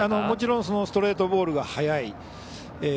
もちろんストレートボールが速い。